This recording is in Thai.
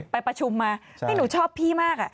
ไปประชุมมานี่หนูชอบพี่มาก